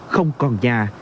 không còn nhà